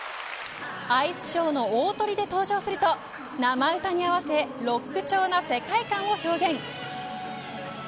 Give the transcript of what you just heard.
アイスショーの大とりで登場すると生歌に合わせロック調の世界観を表現。